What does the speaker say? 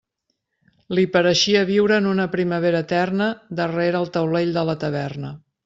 Li pareixia viure en una primavera eterna darrere el taulell de la taverna.